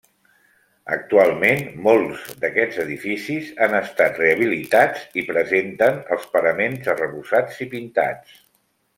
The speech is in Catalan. Actualment, molts d'aquests edificis han estat rehabilitats i presenten els paraments arrebossats i pintats.